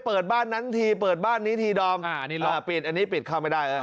เปิดบ้านนั้นทีเปิดบ้านนี้ทีดอมรอปิดอันนี้ปิดเข้าไม่ได้